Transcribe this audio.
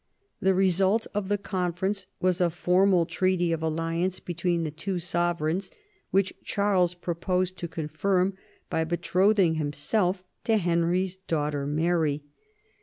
The result of the conference was a formal treaty of alliance between the two sovereigns, which Charles proposed to confirm by betrothing himself to Henry's daughter Mary.